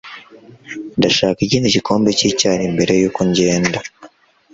Ndashaka ikindi gikombe cyicyayi mbere yuko ngenda